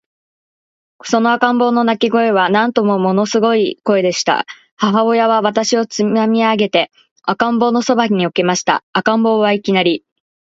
その赤ん坊の泣声は、なんとももの凄い声でした。母親は私をつまみ上げて、赤ん坊の傍に置きました。赤ん坊は、いきなり、